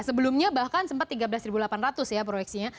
sebelumnya bahkan sempat tiga belas delapan ratus ya proyeksinya